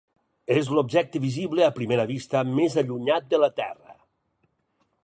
És l'objecte visible a primera vista més allunyat de la Terra.